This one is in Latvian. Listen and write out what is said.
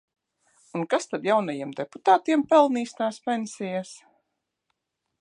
Un kas tad jaunajiem deputātiem pelnīs tās pensijas?